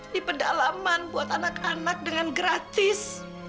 di pedalaman buat anak anak dengan gratis